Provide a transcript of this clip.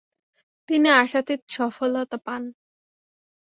তিনি আশাতীত সফলতা পান।